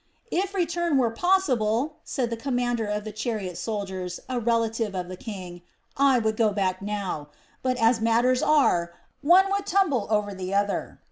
"If return were possible," said the commander of the chariot soldiers, a relative of the king, "I would go back now. But as matters are, one would tumble over the other.